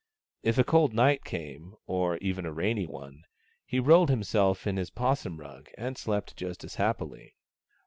If a cold night came, or even a rainy one, he rolled himself in his 'possum rug and slept just as happily.